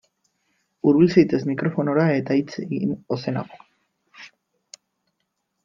Hurbil zaitez mikrofonora eta hitz egin ozenago.